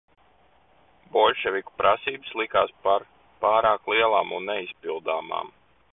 Boļševiku prasības likās par pārāk lielām un neizpildāmām.